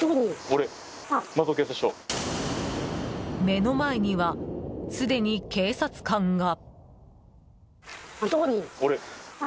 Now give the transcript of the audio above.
目の前には、すでに警察官が。